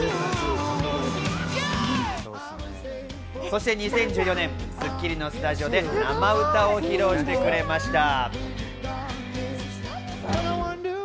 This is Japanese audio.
そして２０１４年、『スッキリ』のスタジオで生歌を披露してくれました。